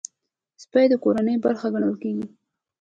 سپي د کورنۍ برخه ګڼل کېږي.